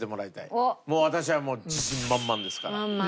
もう私は自信満々ですから。